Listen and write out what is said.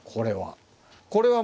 これは。